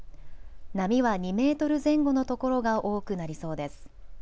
波は２メートル前後のところが多くなりそうです。